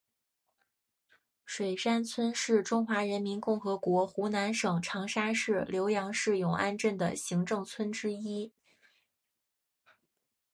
水山村是中华人民共和国湖南省长沙市浏阳市永安镇的行政村之一。